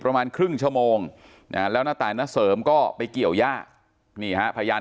ประมาณครึ่งชั่วโมงแล้วณตายณเสริมก็ไปเกี่ยวย่านี่ฮะพยาน